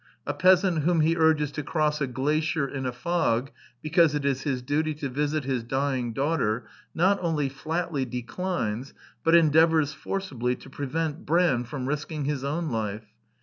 A peasant whom he urges to cross a glacier in a fog because it is his duty to visit his dying daughter, not only flatly declines, but endeavors forcibly to prevent Brand from risk ing his own life.